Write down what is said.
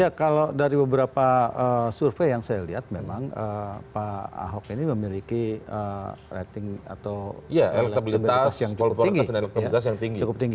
ya kalau dari beberapa survei yang saya lihat memang pak ahok ini memiliki rating atau elektabilitas yang cukup tinggi